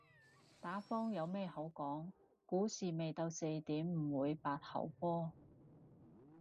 打風有咩好講，股市未到四點唔會八號波